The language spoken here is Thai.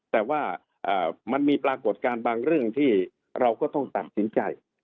แต่ว่ามันมีปรากฏการณ์บางเรื่องที่เราก็ต้องตัดสินใจ